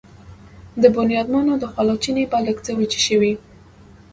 د بنيادمانو د خولو چينې به لږ څه وچې شوې.